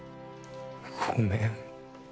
ごめん。